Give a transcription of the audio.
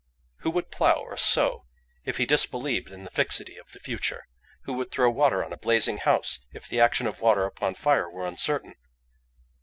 "Who would plough or sow if he disbelieved in the fixity of the future? Who would throw water on a blazing house if the action of water upon fire were uncertain?